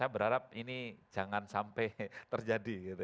saya berharap ini jangan sampai terjadi gitu ya